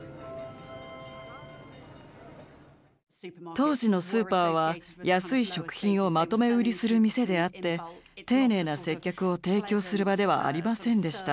当時のスーパーは安い食品をまとめ売りする店であって丁寧な接客を提供する場ではありませんでした。